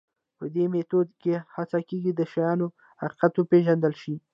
په دې میتود کې هڅه کېږي د شیانو حقیقت وپېژندل شي.